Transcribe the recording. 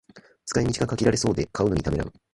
使い道が限られそうで買うのにためらう